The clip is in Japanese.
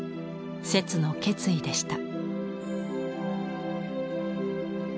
摂の決意でした。